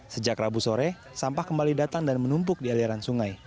sejak rabu sore sampah kembali datang dan menumpuk di aliran sungai